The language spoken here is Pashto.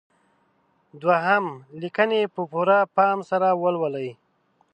دوهم: لیکنې په پوره پام سره ولولئ.